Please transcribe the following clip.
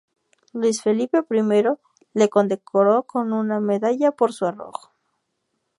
Luis Felipe I le condecoró con una medalla por su arrojo.